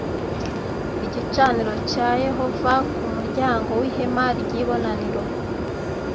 igicaniro cya Yehova ku muryango w ihema ry ibonaniro